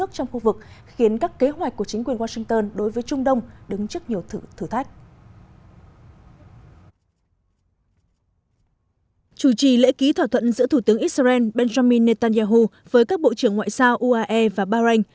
chủ trì lễ ký thỏa thuận giữa thủ tướng israel benjamin netanyahu với các bộ trưởng ngoại giao uae và bahrain